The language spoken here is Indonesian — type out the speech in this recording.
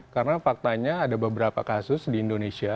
karena faktanya ada beberapa kasus di indonesia